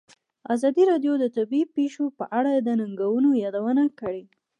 ازادي راډیو د طبیعي پېښې په اړه د ننګونو یادونه کړې.